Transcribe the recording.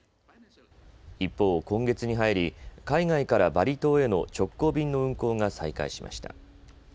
一方、今月に入り海外からバリ島への直行便の運航が再開しました。